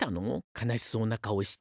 悲しそうな顔して。